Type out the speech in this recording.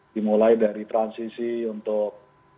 dimulai dari transisi untuk